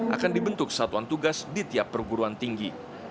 akan dibentuk satuan tugas di tiap perguruan tinggi